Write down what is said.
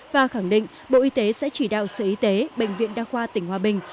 và khẳng định bộ y tế sẽ chỉ đạo sở y tế bệnh viện đa khoa tỉnh hòa bình